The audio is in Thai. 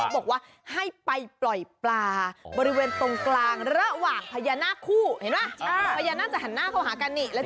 บอกว่าให้ไปปล่อยปลาบริเวณตรงกลางระหว่างพญานาคคู่เห็นป่ะ